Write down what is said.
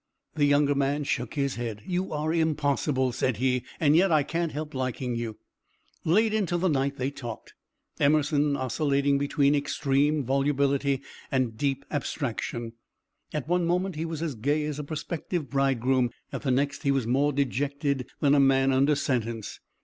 The younger man shook his head. "You are impossible," said he, "and yet I can't help liking you." Late into the night they talked, Emerson oscillating between extreme volubility and deep abstraction. At one moment he was as gay as a prospective bridegroom, at the next he was more dejected than a man under sentence.